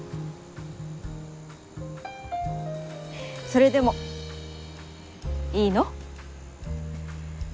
それでもいいの？